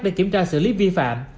để kiểm tra xử lý vi phạm